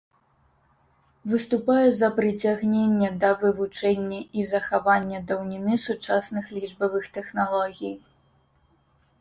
Выступае за прыцягнення да вывучэння і захавання даўніны сучасных лічбавых тэхналогій.